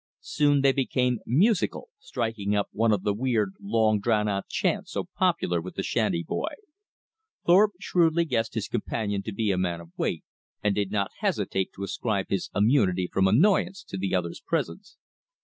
Soon they became musical, striking up one of the weird long drawn out chants so popular with the shanty boy. Thorpe shrewdly guessed his companion to be a man of weight, and did not hesitate to ascribe his immunity from annoyance to the other's presence.